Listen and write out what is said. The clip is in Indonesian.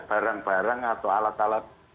barang barang atau alat alat